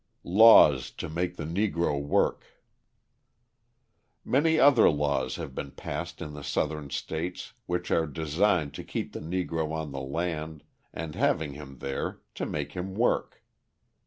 Laws to Make the Negro Work Many other laws have been passed in the Southern states which are designed to keep the Negro on the land, and having him there, to make him work.